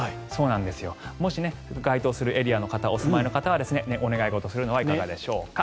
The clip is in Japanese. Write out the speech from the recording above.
もし該当するエリアにお住まいの方はお願い事するのはいかがでしょうか。